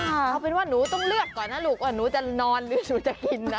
เอาเป็นว่าหนูต้องเลือกก่อนนะลูกว่าหนูจะนอนหรือหนูจะกินนะ